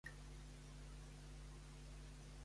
Va ser una temptació bona?